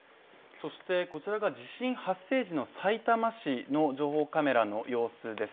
そして、こちらが地震発生時のさいたま市の情報カメラの様子です。